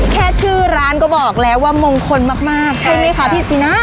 แค่ชื่อร้านก็บอกแล้วว่ามงคลมากใช่ไหมคะพี่จีน่า